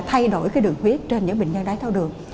nó ít thay đổi đường huyết trên những bệnh nhân đáng thao đường